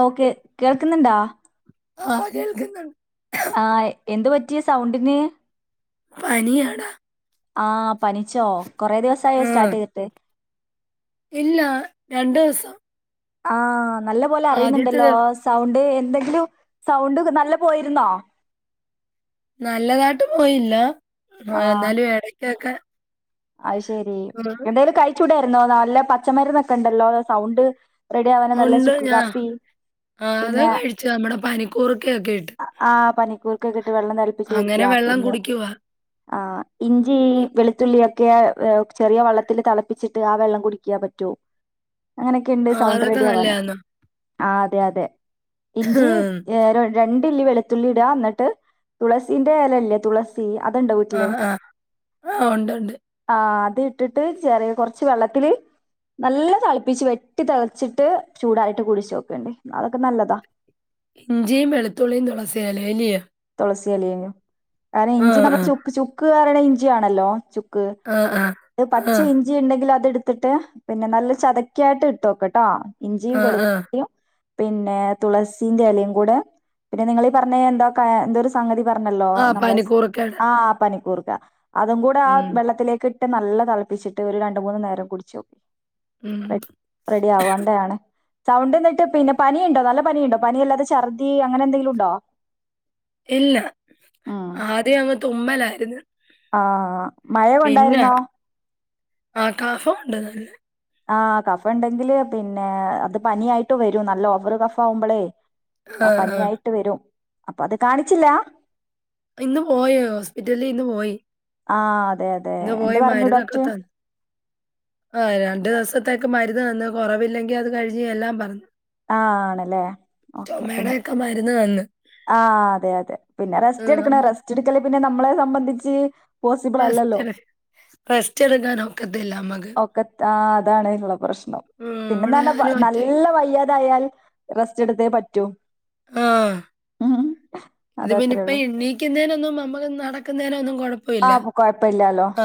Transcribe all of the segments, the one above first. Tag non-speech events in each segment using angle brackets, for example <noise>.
Okay കേക്ക്ന്ന്ണ്ടാ ആഹ് കേൾക്ക്ന്ന് ആഹ് എന്ത് പറ്റീ സൗണ്ടിന്? പനിയാടാ. ആഹ് പനിച്ചോ കൊറേ ദിവസായോ ആ. സ്റ്റാർട്ടെയ്തിട്ട്? ഇല്ല രണ്ടൂസം. ആഹ് നല്ല പോലെ അറിയ്ന്ന്ണ്ടല്ലോ ദിവ സൗണ്ട് എന്തെങ്കിലും സൗണ്ട് നല്ല പോയിര്ന്നോ? നല്ലതായിട്ട് പോയില്ല എന്നാലും എടയ്ക്കൊക്കെ. അയ് ശെരി എന്തേലും കഴിച്ചൂടായിര്ന്നോ നല്ല പച്ചമര്ന്നൊക്കെണ്ടല്ലോ സൗണ്ട് റെഡി ആവാന് നല്ല ഉണ്ട് ചുക്ക് ഞാ കാപ്പി ആ അത് പിന്നെ കഴിച്ചു. നമ്മുടെ പനിക്കൂർക്കയൊക്കെ ഇട്ട്. ആ പനിക്കൂർക്കൊക്കെട്ട് വെള്ളം തെള് അങ്ങനെ കുടിക്കാ വെള്ളം പിന്നെ കുടിക്കുവാ. ആഹ് ഇഞ്ചി ഉം. വെളുത്തുള്ളിയ ഒക്കെ ചെറിയ വെള്ളത്തില് തെളപ്പിച്ചിട്ട് ആ വെള്ളം കുടിക്ക്യാ പറ്റോ? അങ്ങനൊക്കെണ്ട് ആ സൗണ്ട് അതൊക്കെ റെഡിയാവാന്. നല്ലയാന്നോ? ആഹ് അതെ അതെ ഇഞ്ചി ഏര രണ്ടില്ലി വെളുത്തുള്ളി ഇടാ ന്നട്ട് തുളസീന്റെ എലല്ലേ തുളസി സീ അതിണ്ടോ വീ ആഹ് ആഹ് ആഹ് ഒണ്ട് ഒണ്ട്. ആഹ് അതിട്ടിട്ട് ചെറിയ കൊറച്ച് വെള്ളത്തില് നല്ല തെളിപ്പിച്ച് വെട്ടി തെളച്ചിട്ട് ചൂടാറീട്ട് കുടിച്ചോക്കേണ്ടി അതൊക്കെ നല്ലതാ. ഇഞ്ചിം വെളുത്തുള്ളിം തൊളസി എലേല്ലിയോ. തൊളസി എലേനും കാരണം ഇഞ്ചി ആ. നമ്മള് ചുക്ക് ചുക്ക് പറയ്ണേ ഇഞ്ചി ആണല്ലോ. ക്ക് ആ, ആ. ആ. പച്ച ഇഞ്ച് ഇഞ്ചി ഉണ്ടെങ്കില് അതെട്ത്തിട്ട് പിന്നെ നല്ല ചതക്കായിട്ട് ഇട്ടോക്ക്ട്ടോ ഇഞ്ചിയും ആ, ആ. വെളുത്തുള്ളിം. പിന്നെ തുളസിന്റെ എലയും കൂടെ പിന്നെ നിങ്ങളീ പറഞ്ഞേ എന്താ എന്താ ഒര് സംഗതി പറഞ്ഞല്ലോ ആ നമ്മളെ പനിക്കൂർക്കയുടെ. ആഹ് പനിക്കൂർക്ക അതും കൂടെ ആ ഉം. വെള്ളത്തിലേക്ക് നല്ല തെളപ്പിച്ചിട്ട് ഒരു രണ്ട് മൂന്ന് നേരം കുടിച്ചോക്കി. ഉം. റെഡി ആവണ്ടേ ആണ്. സൗണ്ട് ന്നട്ട് പിന്നെ പനിയിണ്ടോ നല്ല പനിയ്ണ്ടോ പനി അല്ലാതെ ഛർദി അങ്ങനെന്തെങ്കിലുണ്ടോ? ഇല്ല ഉം ആദ്യം അങ്ങ് തുമ്മലായിര്ന്ന്. ആഹ് മഴ കൊണ്ടായിര്ന്നോ? ആഹ് കാഫോണ്ട് നല്ലേ. ആഹ് കഫെണ്ടെങ്കില് പിന്നെ അത് പനിയായിട്ടും വരും നല്ല ഓവറ് കഫാവുമ്പളേ ആ, ആഹ് ആ. പനിയായിട്ട് വരും അപ്പൊ അത് കാണിച്ചില്ലാ? ഇന്ന് പോയോ ഹോസ്പിറ്റലീ ഇന്ന് പോയി. ആഹ് അതെ അതെ ഇന്ന് എന്ത് പോയി പറഞ്ഞു ഡോക്ടറ്? ആഹ് രണ്ടു ദെവസത്തേക്ക് മരുന്ന് തന്ന് കൊറവില്ലെങ്കീ അത് കഴിഞ്ഞ് ചെല്ലാം പറഞ്ഞ്. ആഹ് ആണ്ലേ ഓക്കെ പിന്നെ മരുന്ന് തന്ന്. ആഹ് അതെ അതെ പിന്നെ റെസ്റ്റ് ഉം എടുക്കണ് അമ്മ റെസ്റ്റ് എടുക്കല് പിന്നെ നമ്മളെ സംബന്ധിച്ച് പോസിബിൾ അല്ലല്ലോ <unintelligible> റെസ്റ്റെടുക്കാനൊക്കത്തില്ല അമ്മക് എത് ആ അതാണ്ള്ള പ്രശ്നം ഉം ഇവിടെ പിന്നെന്നാർഞ്ഞ വ ഞാനും ഒറ്റയ്ക്ക് നല്ല വയ്യാതായാൽ റസ്റ്റ് എടുത്തേ പറ്റൂ ആഹ് ഉം ഇത് പിന്നെ അതത്രേ ഇപ്പം ഉള്ളൂ എനി ക്ക് ന്നതിനൊന്നും നമ്മുക്ക് നടക്കുന്നതിനോന്നു കുഴപ്പമില്ല ആഹ് കൊഴപ്പം ഇല്ലലോ, ആ,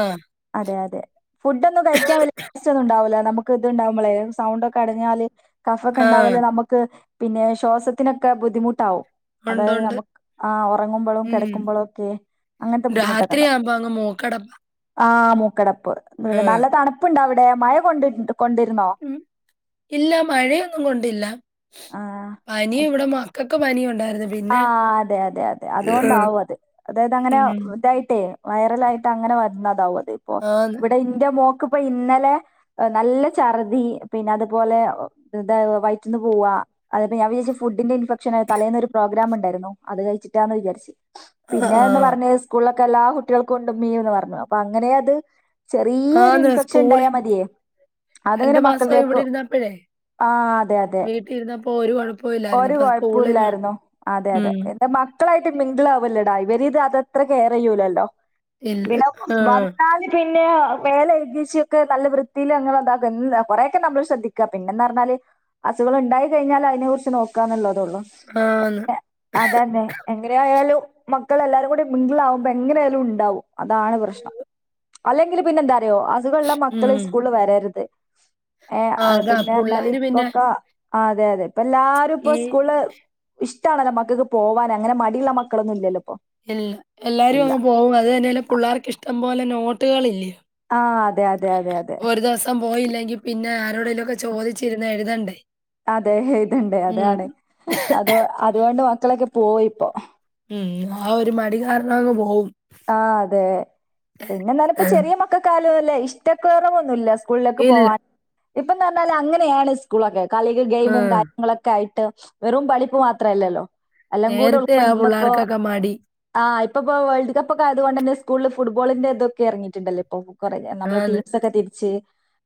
അതെ അതെ. ഫുഡ് ഒന്നും കഴിക്കാൻ വല്യ രസന്നുണ്ടാവില്ല നമുക്ക് ഇത്ണ്ടാവുമ്പോളേ സൗണ്ട് ഒക്കെ അടഞ്ഞാല് കഫം ഒക്കെ ആ. ഉണ്ടാവല്ല നമുക്ക് പിന്നെ ശ്വാസത്തിനൊക്കെ ബുദ്ധിമുട്ടാവും ഉണ്ട് അതായത് ഉണ്ട്. നമുക്ക് ആ ഉറങ്ങുമ്പോഴും കിടക്കുമ്പോഴും ഒക്കെ അങ്ങനത്തെ ബുദ്ധിമുട്ട് ത്തിരി ആവുമ്പോ അങ്ങ് മൂക്കടപ്പാ ആഹ് മൂക്കടപ്പ്, ആ. നല്ല തണുപ്പുണ്ടവിടെ മഴ കൊണ്ട് കൊണ്ടിരുന്നോ? ഉം ഇല്ല മഴയൊന്നും കൊണ്ടില്ല, പനി ആ ഇവിടെ മക്കക്ക് പനിയുണ്ടായിരുന്നു, ആഹ് അതെ അതെ അതെ അതോണ്ടാവു അത് അതായത് അങ്ങനെ ഉം ഇതായിട്ടേ, വൈറലായിട്ട് അങ്ങനെ വരുന്നതാവത് ഇപ്പോ ആന്ന് ഇവിടെ ഇന്റെ മോക്ക് ഇപ്പോ ഇന്നലെ, നല്ല ചർദ്ദി പിന്നെ അതുപോലെ എന്താ വയറ്റ്ന്ന് പോവാ അതപ്പ ഞാൻ വിജാച്ചു ഫുഡിന്റെ ഇൻഫെക്ഷനാ തലേന്ന് ഒരു പ്രോഗ്രാം ഉണ്ടായിരുന്നു അത് കഴിച്ചിട്ടാന്ന് വിചാരിച് പിന്നെന്ന് ആഹ് പറഞ്ഞ് സ്കൂളിലൊക്കെ എല്ലാ കുട്ടികൾക്കും ഇണ്ടെന്ന് ഇമ്മയെന്ന് പറഞ്ഞു, അപ്പൊ അങ്ങനെ അത്. ചെറിയൊരു ആന്ന് ഇൻഫെക്ഷൻ സ്കൂളി ഉണ്ടായാ മതിയേ അതെവരെ മാസം ഇവിടെ മക്കളിലേക്കു ആഹ് അതെ അതെ, ഇരിന്നപ്പോൾ ഒരു കൊഴപ്പ ഒരു കൊഴപ്പുല്ലായിരുന്നു, അതെ അതെ, ഉം മക്കളായിട്ട് മിംഗിൾ അവല്ലടായി ഇവർ ഇത് അതത്രെ കെയർ ചെയ്യൂല്ലല്ലോ, ഇല്ല. പിനപ്പൊ ആഹ് വന്നാല്, പിന്നെ മേല കഴകീച്ചൊക്കെ നല്ല വൃത്തിയിൽ അങ്ങനെതാക്കും കൊറെക്കെ നമ്മള് ശ്രദ്ധിക്ക പിന്നന്ന് പറഞ്ഞാല്, അസുഖൾ ഉണ്ടായി കഴിഞ്ഞാൽ അതിനെ കുറിച്ച് നോക്കാന്നുള്ളതെ ഉള്ളൂ. ആഹ് ന്ന്, അതന്നെ എങ്ങന ആയാലും, മക്കള എല്ലാരും കൂടി മിംഗിൾ ആകുമ്പോ എങ്ങനെലും ഉണ്ടാവും അതാണ് പ്രശ്നം അല്ലെങ്കിൽ പിന്നെ എന്താ, ഓ അസുഖള്ള മക്കള് ഉം. സ്കൂളിൽ വരരുത്, ഏഹ് ആഹ് അത് അതാ പിന്നെർഞ്ഞാല് പുള്ളാര് പിന്നെ ഇപ്പൊക്ക ആഹ് അതെ, അതെ ഇപ്പ എല്ലാരും ഈ ഇപ്പോ സ്കൂള്ല് ഇഷ്ടാണല്ലോ മക്കക്ക് പോവാന് അങ്ങനെ മടിയുള്ള മക്കളൊന്നും ഇല്ലല്ലോ, ഇപ്പൊ എല്ല എല്ലാരും ഇല്ല അങ്ങ് പോകും അത് തന്നെല്ല പിള്ളേർക്ക് ഇഷ്ടം പോലെ നോട്ടുകൾ ഇല്ലേ, ആഹ് അതെ അതെ അതെ അതെ, ത്തം പോയില്ലെങ്കി പിന്നെ ആരോടേലോക്ക ചോദിച്ചിരുന്ന് എഴുതണ്ടേ, അതെ ഇതുണ്ട് ഉം. അതാണ് അത് അതുകൊണ്ട് മക്കളൊക്കെ പോയിപ്പോ, ഉം, ആ ഒരു മടി കാരണങ് പോകും, ആഹ് അതെ, പിന്നെന്താലപ്പ ചെറിയ മക്കൾക്കായാലും ഏഉല്ല ഇഷ്ടക്കൊറവൊന്നുല്ല സ് കൂളിലേക്കെ ഇല്ല. പോവാൻ ഇപ്പന്ന് പറഞ്ഞാല് അങ്ങനെയാണ് സ്കൂളൊക്കെ കളികൾ ഗെയിമും ആഹ്. കാ ങ്ങളൊക്കെ ആയിട്ട് വെറും പളിപ്പ് മാത്രല്ലല്ലോ എല്ലാം കൂടി നേരത്തെ ആ ഉൾക്കൊണ്ടിപ്പോ, പിള്ളേർക്കൊക്കെ മടി. ആഹ്, ഇപ്പപ്പോ വേൾഡ് കപ്പൊക്കായതുകൊണ്ടന്നെ സ്കൂളിൽ ഫുട്ബോളിന്റെ ഇതൊക്കെ ഇറങ്ങയിട്ടുണ്ടല്ലെ ഇപ്പൊ, കുറെ നമ്മളെ ആന്ന്. ടീംസ് ഒക്കെ തിരിച്ച്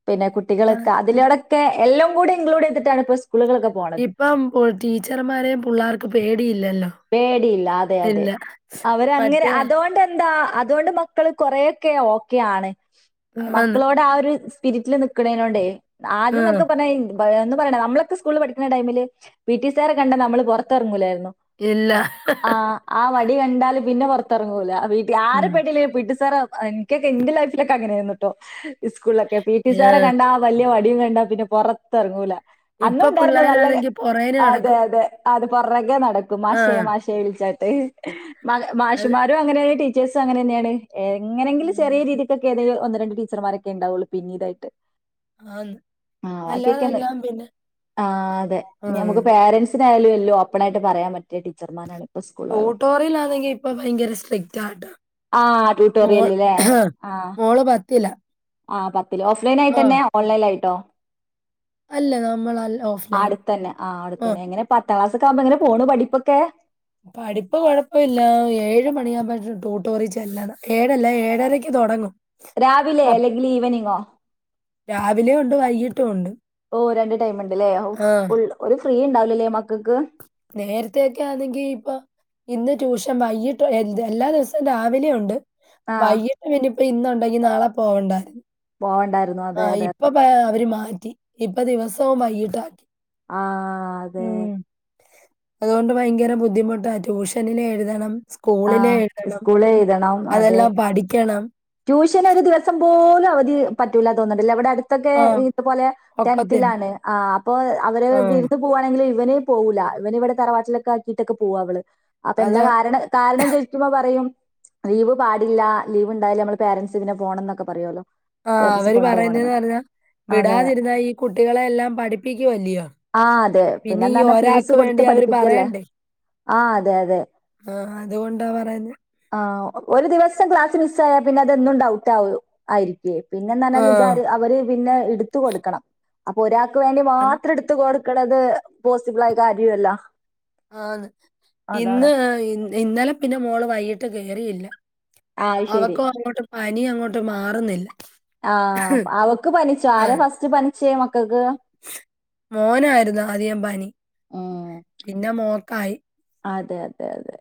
പിന്നെ ആഹ്. കുട്ടികളൊക്ക അതിലൂടെ, ക്കെ എല്ലാംകൂടി ഇക്ലൂഡ് ചെയ്തിട്ടാണ്പ്പോ സ്കൂളുകളൊക്കെ പോണത്, ഇപ്പം ടീച്ചർമാരെയും പിള്ളേർക്ക് പേടിയില്ലല്ലോ, പേടിയില്ല അതെ അതെ, ഇല്ല. അവരങ്ങനെ മറ്റേ അതൊണ്ട് എന്താ അതുകൊണ്ട് മ മക്കള് കൊറേക്കെ ഓക്കെ ആണ്, ആന്ന്. മക്കളോട് ആഹ് ഒരു സ്പിരിറ്റില് നിക്കണേോണ്ടേ, ആദ്യ ആഹ്. നൊക്കെപ്പർഞ്ഞാ ഇൻ <unintelligible> ന്ന് പറയണ നമ്മളൊക്കെ സ്കൂള് പഠിക്കുന്ന ടൈമില് പി ടി സാറെ കണ്ടാൽ നമ്മള് പുറത്തിറങ്ങൂലായിരുന്നു, ഇല്ല, ആഹ് ആ വടി കണ്ടാല് പിന്നെ പൊർത്തെറങ്ങൂല, വീട്ടിൽ ആരെ ഉം. പേടില്ലേലും പി ട്ടി സാറെ അ കെ കെന്റെ ലൈഫ് ലൊക്കെ അങ്ങനേ ആയിരുന്നുട്ടോ സ്കൂളിലൊക്കെ പി ടി സാറേ ഏഹ്. കണ്ടാ വല്യാ വടിയും കണ്ടാപിന്നെ പുറത്ത് എറങ്ങൂല അന്നു ഇപ്പൊ ഉണ്ടായിരുന്നു നല്ല പിള്ളേരാണെങ്കി പൊറേന് ആഹ് അതെ നടക്കും. അതെ അത് പർന്നൊക്കെ നടക്കും മാഷേ ആഹ്. മാഷേ വിളിച്ചാട്ട് മാ മാഷും അത് മാ രും അങ്ങനേ ടീച്ചേഴ്സും അങ്ങന തന്നെയാണ് എങ്ങനെങ്കിലും ഉം. ചെറിയ രീതി ക്കെ ഏതേല് ഒന്ന്‌ രണ്ട് ടീച്ചർമാരൊക്കെ ഇണ്ടാവുള്ളൂ പിന്നിടായിട്ട് ആന്ന്. ആഹ് ബാക്കി ഒക്കെന്ന് അല്ലാതെല്ലാം പിന്നെ ആഹ് അതെ ആഹ്. ഞമുക്ക് പേരൻസ് ത്തര ആയാലും എല്ലോ ഓപ്പണായിട്ട് പറയാൻ പറ്റിയ ടീച്ചർമാരാണ് ഇപ്പ സ്കൂളുകളിലൊക്കെ. ടൂട്ടോറിൽ അണെങ്കിൽ ഇപ്പോ ഭയങ്കര സ്ട്രിക്റ്റാട്ടോ ആഹ് മോൾ ട്യൂട്ടോറിയല്ല്ലേ ആഹ് മോള് ആഹ് പത്തില് ഓഫ്‌ലൈൻ ആഹ്. ആയിട്ടന്നെ ഓൺലൈൻ ലായിട്ടോ അല്ല നമ്മളല്ല ആഹ് ഓഫ്‌ലൈൻ. അടുത്തന്നെ ആഹ് ആ. അടുത്തന്നെ എങ്ങനെ പത്താംക്ലാസൊക്ക ആവുമ്പം എങ്ങനെ പോണ് പഠിപ്പൊക്കെ പഠിപ്പ് കൊഴപ്പയില്ല ഏഴ് മണിയാവുമ്പഴ് ട്യൂട്ടോറി ചെല്ലണം ഏഴല്ല ഏഴരക്ക് തൊടങ്ങും രാവിലെ അല്ലെങ്കിൽ ഈവനിങ്ങോ രാവിലേം ഉണ്ട് വൈകിട്ടു ഉണ്ട് ഓ രണ്ട് ടൈമുണ്ടല്ലേ ആ ഉഫ് ഫുൾ ഒരു ഫ്രീ ഇണ്ടാവില്ലല്ലേ മക്കക്ക് നേരത്തൊക്കെ ആന്നെങ്കി ഇപ്പം ഇന്ന് ട്യൂഷൻ വൈകിട്ട് എല്ലാ ദിവസം രാവിലേ ഒണ്ട് ആ വൈകിട്ട് പിന്നിപ്പ ഇന്ന് ഉണ്ടെങ്കി നാളെ പോവണ്ടാര് പോവണ്ടായിരുന്നു അതെ ആഹ് അതെ അതെ ഇപ്പേ അവര് മാറ്റി ഇപ്പ ദിവസോം വൈകിട്ടാക്കി ആഹ് അതെ അതോണ്ട്ഭയങ്കര ബുദ്ധിമുട്ടാ ട്യൂഷനില് എഴുതണം ആ സ്കൂളിലെ എഴ്തണം സ്കൂള് എഴുതണം അതെ അതെല്ലാം പഠിക്കണം ട്യൂഷൻ ഒരു ദിവസം പോലും അവധി പറ്റൂല തോന്നണ്ട്ല്ലേ അവിടെ അടു തൊക്കെ ആ ഇതുപോലെ ഒക്കത്തില്ല. ടെൻതിലാണ് ആഹ് അപ്പോ അവര് ആ വീൽത് പൂവാണെങ്കില് ഇവന് പോവൂല്ല ഇവന് ഇവിടെ തറവാട്ടിലൊക്കെ ആക്കിട്ടൊക്കെ പോവാ അവള് അപ്പോ എന്താ അതാ കാരണം കാരണം ചോയിക്കുമ്പം പറയും ലീവ് പാടില്ല ലിവ് എന്തായാലും ഞമ്മള് പാരൻസ് ഇതിനെ പോണന്നക്കെ പറയോല്ലോ ആഹ് അവര് പറയുന്നേന്ന് പറഞ്ഞാ അതെ വിടാതിരുന്ന ഈ കുട്ടികളെ എല്ലാം പഠിപ്പിക്കു അല്ലയോ ആഹ് അതെ പിന്നെ എന്താ പറഞ്ഞാ ഫീസ് കൊടുത്ത് അവര് പഠിപ്പിക്കല്ലേ പറയണ്ടേ? ആഹ് അതെ അതെ ആഹ് അതുകൊണ്ടാ പറഞ്ഞേ ആഹ് ഒരു ദിവസം ക്ലാസ് മിസ്സായാ പിന്നെ അത് എന്നും ഡൗട്ടാവ് ആയിരി കെ പിന്നെന്താഞ്ഞാല് ഇത് ആഹ് അത് അവര് പിന്നെ ഇടുത്തു കൊടുക്കണം അപ്പോ ഒരാക്ക് വേണ്ടി അൻ മാത്രം ത്ത് കൊടുക്ക്ണത് പോസ്സിബിൾ ആയ കാര്യുഅല്ല ആന്ന് ഇന്ന് ഇന്നലെ പിന്നെ മോള് വൈകിട്ട് കേറിയില്ല ആഹ് ശരി അവക്കു അങ്ങോട്ട് പനി അങ്ങോട്ട് മാറുന്നില്ല ആഹ് അവക്ക് പനിച്ചു ആരാ ആഹ് ഫസ്റ്റ് പനിച്ചേ മക്കക്ക് മോനായിരുന്നു ആദ്യ പനി ഉം പിന്നെ മോൾക്കായി അതെ അതെ അതെ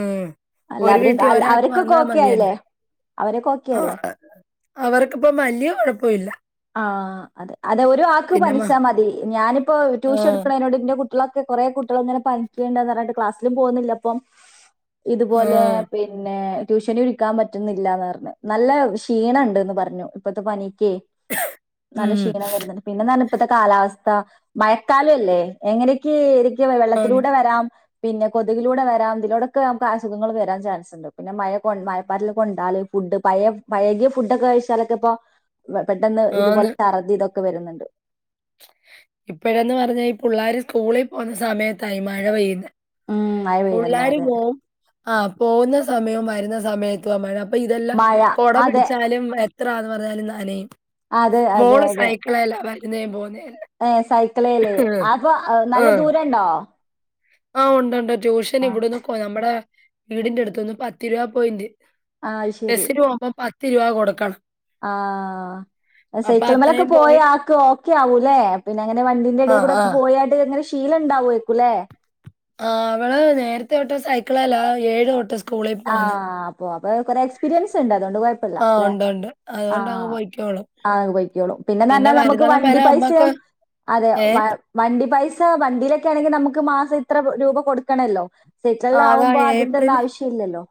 ഉം അല്ല ഒരു അവര് വീട്ടിൽ ഒരാൾക്ക് അവർക്കൊക്കെ വന്നാ ഓക്കെ മതിയല്ല ആയില്ലേ അവരൊക്കെ ഓക്കെ ഓ അല്ലേ അവർക്കിപ്പം വല്ല്യ കൊഴപ്പല്ല്യ ആഹ് അതെ അതെ ഒരു ആക്ക് മ പനിച്ചാൽ മതി ഞാനിപ്പോ ട്യൂഷൻ ആഹ് എടുക്കണേനോട് ന്ന് കു ട്ടികളൊക്കെ കൊറേ കുട്ടികള് ഇങ്ങനെ പനിക്കേണ്ടന്ന് പറഞ്ഞിട്ട് ക്ലാസ്സിലും പോവുന്നില്ല അപ്പം ഇതുപോലെ ആഹ്. പി പിന്നെ ട്യൂഷനു ഇരിക്കാൻ പറ്റുന്നില്ലാന്ന് പറഞ്ഞ് നല്ല ക്ഷീണംണ്ട്ന്ന് പറഞ്ഞു ഇപ്പത്തെ പനിക്കേ <inaudible> നല്ല ഉം. ക്ഷീണം വരുന്നുണ്ട് പിന്നെന്നാല് ഇപ്പത്തെ കാലാവസ്ഥ മഴക്കാല ല്ലേ എങ്ങനെ ക്കെ ക്ക് ആന്ന്. വെള്ളത്തിലൂടെ വരാം പിന്നെ കൊതുകിലൂടെ വരാം ഇതിലൂടോക്കെ ഞമുക്ക് അസുഖങ്ങള് വരാൻ ചാൻസ് അല്ലോ പിന്നെ മയകൊ മയപ്പാറ്റില്കൊണ്ടാല് ഫുഡ് പയേ പയകിയ ഫുഡ് ഒക്കെ കഴിച്ചാലൊക്കെ ഇപ്പോ പെട്ടെന്ന് ആന്ന്. ഇതുപോലെ ചർദ്ദി ഇത് ഒക്കെ വരുന്നുണ്ട് ഇപ്പഴന്ന് പറഞ്ഞാ ഈ പിള്ളാര് സ്കൂളി പോവുന്ന സമയത്താ ഈ മഴ പെയ്യുന്നേ ഉം മഴ പെയ്യുന്ന പുള്ളാര് അതെ പോവും ആഹ് പോവുന്ന സമയവും വരുന്ന സമയത്തുവാ മഴ അപ്പൊ ഇതെല്ലാം മഴ കൊട അതെ പിടിച്ചാലും ത്രാന്ന് പറഞ്ഞാലും നനയും അതെ അതെ മോള് സൈക്കിളില വരുന്നേ പോകുന്നേല്ലാം ഏഹ് സൈക്കിളല് അപ്പൊ നല്ല ദൂരണ്ടോ ആഹ് ഉണ്ടുണ്ട് ട്യൂഷൻ ആ ഇവിടെന്ന് കൊ നമ്മടെ വീടിന്റെ അടുത്തന്ന് പത്ത് രൂപ പോയിന്റ് ആ, അത് ബസ്സിന്‌ പോവുമ്പം പത്ത് രൂപ കൊടുക്കണം ആഹ് അപ്പൊ സൈക്കിളമ്മലൊക്കെ അത്രയും പോയ പോയിട്ട് ആക്ക് ഓക്കെ ആവൂല്ലെ പിന്നങ്ങനെ വണ്ടിന്റെ ഇടയി ആഹ്, കൂടെക്കെ ആഹ്. പോയാണ്ട്ങ്ങനെ ശീലണ്ടാവോര്ക്കുലേ ആഹ് അവള് നേരത്തെ ഒട്ട് സൈക്കിളേലാ ഏഴ് ഒട്ട് ആഹ് അപ്പൊ അപ്പൊ കൊറെ എക്സ്പീരിയൻസ്ണ്ട് അതുകൊണ്ട് കൊഴ് പ്പല്ല ആ ലേ ഉണ്ട്, ഉണ്ട്. അതുകൊണ്ടങ്ങ് ആഹ് പൊയ്ക്കോളും. അത് പൊഴ്ക്കോളും പിന്നെ പിന്നന്ന്റഞ്ഞാ നമുക്ക് മരുന്നടം വണ്ടി വരെ അമ്മക്ക് പൈസയും അതെ ഏ വ വണ്ടി പൈസ വണ്ടിയിലൊക്കെ ആണെങ്കിൽ നമുക്ക് മാസം ഇത്ര രൂപ കൊടുക്കണല്ലോ ആ, കിച്ചൺല് ആവുമ്പോ അതിന്റൊന്നും ആവശ്യ ഇല്ലല്ലോ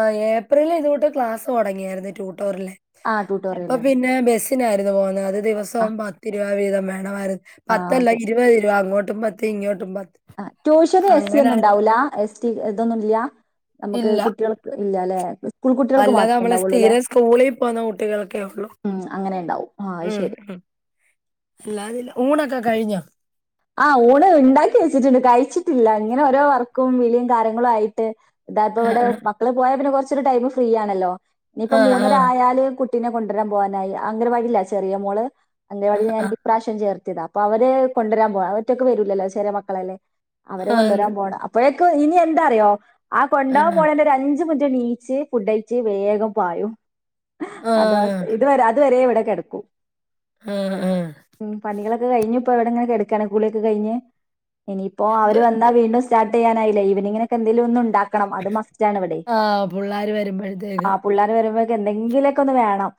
ആഹ് ഏപ്രിലിൽ ഇതൊട്ട് ക്ലാസ്സ് തുടങ്ങിയായിരുന്നു ട്യൂട്ടോറിലെ ആ അപ്പൊ ട്യൂട്ടോറിയല് പിന്നെ ബെസ് സിനായിരുന്നു പോകുന്നത് അത് ആ ദിവസം പത്ത് രൂപ വീതം വേണമായിരുന്നു ആ പത്തല്ല അതെ. ഇരുപത് രൂപ അങ്ങോട്ടും പ ത്ത് ഇങ്ങോട്ടും പത്ത് ആഹ് ട്യൂഷന് എസ് സി അങ്ങനെ ഒന്നും ഉണ്ടാവൂല എസ് ടി ഇതൊന്നുല്ല നമുക്ക് ഇല്ല കുട്ടികള് ഇല്ലലേ സ്കൂൾകുട്ടികൾക്ക് അല്ലാതെ മാത്രേ നമ്മള് ഉണ്ടാവുള്ളൂലെ സ്ഥിരം സ്കൂളിൽ പോകുന്ന കുട്ടികൾക്കേ ഉള്ളൂ ഉം അങ്ങനെയ്ണ്ടാവും ആ അഹ് ശെരി ഇല്ല അതില്ല ഊണൊക്കെ കഴിഞ്ഞോ? ആ ഊണ് ഉണ്ടാക്കി വെച്ചിട്ടുണ്ട് കഴിച്ചിട്ടില്ല ഇങ്ങനെ ഓരോ വർക്കും വിളിയും കാര്യങ്ങളും ആയിട്ട് ഇതാ ഇപ്പ ആ ഇവിടെ മക്കള് പോയാ പിന്നെ കൊറച്ചൊരു ടൈം ഫ്രീ ആണല്ലോ ഇനിയിപ്പ ആ ആ ആ മൂന്നര ആയാല് കുട് കുട്ടിനെ കൊണ്ടരാൻ പോവാനായി അംഗരവാടീലാ ചെറിയ മോള് ആ അംഗരവാടിൽ ഞാൻ ആ ഇപ്രാവശ്യം ചേർത്തിയത അപ്പൊ അവര് കൊണ്ടുരാൻ പോവാ അവറ്റൊക്കെ വരൂല്ലല്ലോ ചെറിയ മക്കളല്ലേ അവരെ ആന്ന്. കൊണ്ടുവരാൻ പോണം അപ്പൊഴേക്ക് ഇനി എന്താറിയോ ആ കൊണ്ടോവാൻ പോണേന്റെ ഒരു അഞ്ച് മിനിറ്റ് നീച്ച് ഫുഡഴച്ച് വേഗം പായും ആ അതാവസ്ഥ ഇതുവരെ അതുവരെ ഇവിടെ കെടക്കും ഉം ഉം ഉം പണികളൊക്കെ കഴിഞ്ഞ് ഇപ്പ ഇവിടെങ്ങനെ കെട്ക്കാണ് കുളി ഒക്കെ കഴിഞ്ഞ് ഇനിയിപ്പോ എന്ത് അവര് വന്നാ വീണ്ടും സ്റ്റാർട്ട് ചെയ്യാനായില്ലെ ഈവനിങ്ങിനൊക്കെ എന്തെലൊന്നുണ്ടാക്ക ക്കണം അത് മസ്റ്റ് ആണ് ഇവിടെയ് ആ പുള്ളാര് വരുമ്പോഴത്തേക്ക് ആ പുള്ളാര് വരുമ്പോഴക്കെ എന്തെങ്കിലൊക്കെ ഒന്ന് വേണം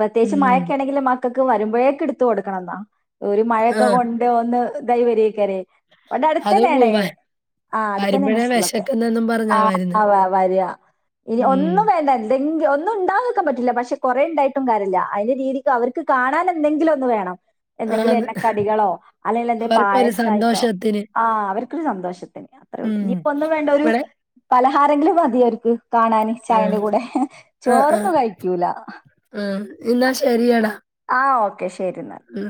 പ്രത്യേകിച്ച് ഉം മഴക്കേണെങ്കിൽ മ ക്കക്ക്‌ വരുമ്പഴേക്ക്ട്ത്ത് കൊടുക്കണംന്നാ ഒരു മഴക്കെ ആ കൊണ്ട് ഒന്ന്തായ് വരയ്ക്കാരേയ് വിടെ അത് അടുത്തന്നേണ് പു- ആ അടുത്തന്നേണ് വരുമ്പഴേ സ്കൂളൊക്കെ വെശക്കുന്നെന്നും പറഞ്ഞാ വരുന്നെ. ആഹ് വ വര ഇനി ഉം. ഒന്നും വേ എന്ത എന്തെങ്കി ഒന്നും ഉണ്ടാക്കിക്കാൻ പറ്റില്ല പക്ഷെ കൊറെണ്ടായിട്ടും കാര്യല്യ അയ്ന്റെ രീതിക്ക് അവര്ക്ക് കാണാൻ എന്തെങ്കിലും ഒന്ന് വേണം എന്തെങ്കിലും ആന്ന്. എണ്ണക്കടികളോ അല്ലെങ്കിൽ എന്തെങ്കിലും അവർക്കൊരു പായസായിട്ടോ സന്തോഷത്തിന്. ആ അവര്ക്കൊരു സന്തോഷത്തിന് അത്രേള്ളൂ ഉം. ഇനിയിപ്പോ ഒന്നും വേണ്ട ഒരു ഇവിടെ പലഹാരെങ്കിലും മതിയവര്ക്ക്‌ കാണാന് ആഹ്. ചായന്റെ കൂടെ ആഹ് ആഹ്. ചോറൊന്നും കഴിക്കൂല ആഹ്. എന്നാ ശരിയെടാ. ആഹ് ഓക്കെ ശരി ന്നാൽ ഉം